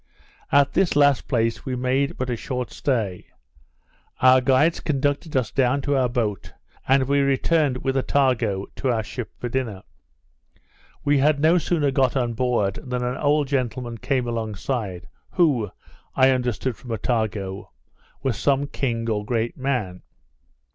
At this last place we made but a short stay. Our guides conducted us down to our boat, and we returned with Attago to our ship to dinner. We had no sooner got on board, than an old gentleman came alongside, who, I understood from Attago, was some king or great man.